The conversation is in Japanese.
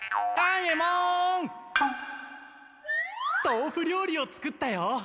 とうふ料理を作ったよ。